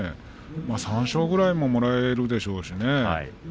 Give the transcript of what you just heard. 三賞ぐらいももらえるでしょうしね。